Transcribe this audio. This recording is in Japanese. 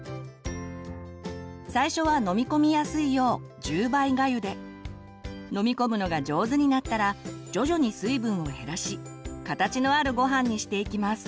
最初は飲み込みやすいよう１０倍がゆで飲み込むのが上手になったら徐々に水分を減らし形のあるごはんにしていきます。